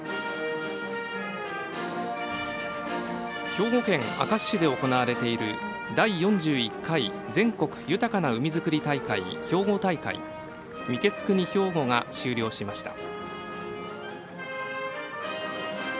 兵庫県明石市で行われている「第４１回全国豊かな海づくり大会兵庫大会御食国ひょうご」が終了しました。